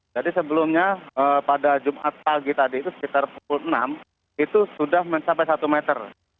jadi sebelumnya pada jumat pagi tadi itu sekitar pukul enam itu sudah mencapai satu meter